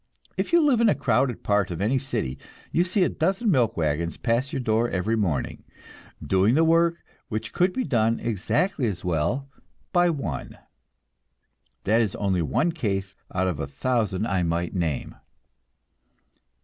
If you live in a crowded part of any city, you see a dozen milk wagons pass your door every morning, doing the work which could be done exactly as well by one. That is only one case out of a thousand I might name.